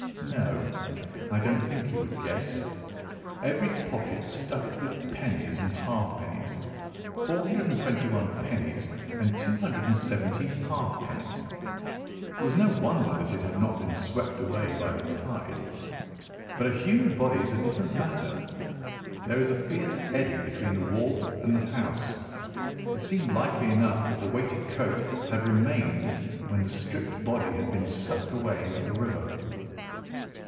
"No, I don't think you would guess. Every pocket stuffed with pennies and half pennies—421 pennies and 270 half pennies. It was no wonder that it had not been swept away by the tide. But a human body is a different matter. There is a fierce eddy between the wharf and the house. It seemed likely enough that the weighted coat had remained when the stripped body had been sucked away into the river."